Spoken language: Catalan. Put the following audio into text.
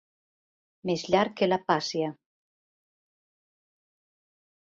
Més llarg que la Pàssia.